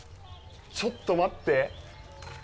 ちょっと待って？